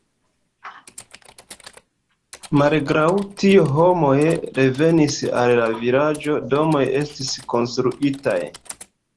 Malgraŭ tio, homoj revenis al la vilaĝo, domoj estis konstruitaj.